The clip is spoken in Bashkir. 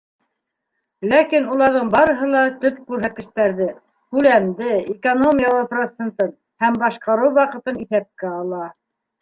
Ләкин уларҙың барыһы ла төп күрһәткестәрҙе: күләмде, экономиялау процентын һәм башҡарыу ваҡытын иҫәпкә ала.